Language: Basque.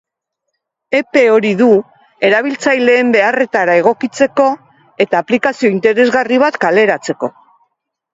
Epe hori du erabiltzaileen beharretara egokitzeko eta aplikazio interesgarri bat kaleratzeko.